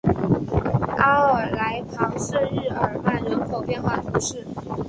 阿尔来旁圣日耳曼人口变化图示